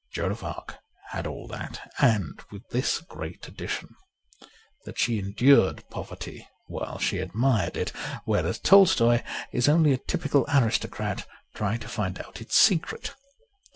Joan of Arc had all that, and with this great addition : that she endured poverty while she admired it, whereas Tolstoy is only a typical aristocrat trying to find out its secret.